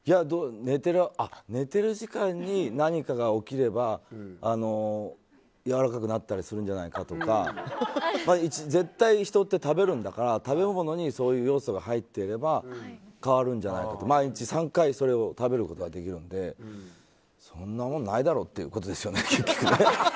寝てる時間に何かが起きればやわらかくなったりするんじゃないかとか絶対、人って食べるんだから食べ物にそういう要素が入ってれば変わるんじゃないかとか毎日３回それを食べることができるのでそんなもんないだろうということですよね、結局ね。